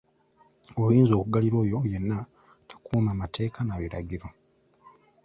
Obuyinza okuggalira oyo yenna atakuuma mateeka na biragiro.